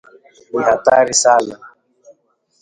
ni hatari sana